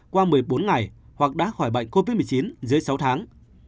qua một mươi bốn ngày hoặc đã khỏi bệnh covid một mươi chín dưới sáu tháng